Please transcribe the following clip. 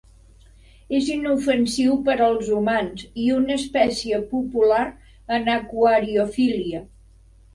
És inofensiu per als humans i una espècie popular en aquariofília.